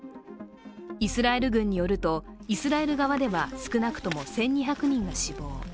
イスラエル軍によるとイスラエル側では少なくとも１２００人が死亡。